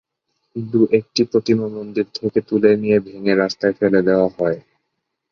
দু-একটি প্রতিমা মন্দির থেকে তুলে নিয়ে ভেঙে রাস্তায় ফেলে দেওয়া হয়।